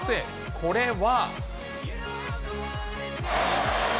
これは。